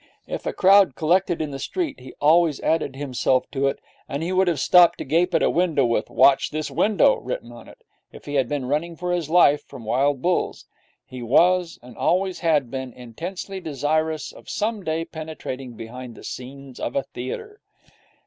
If a crowd collected in the street he always added himself to it, and he would have stopped to gape at a window with 'Watch this window' written on it, if he had been running for his life from wild bulls. He was, and always had been, intensely desirous of some day penetrating behind the scenes of a theatre.